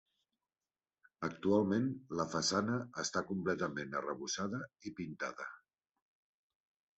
Actualment la façana està completament arrebossada i pintada.